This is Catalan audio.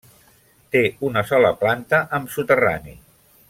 Té una sola planta amb soterrani.